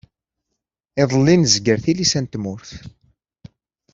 Iḍelli nezger tilisa n tmurt.